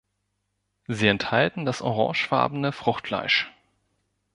Sie enthalten das orangefarbene Fruchtfleisch.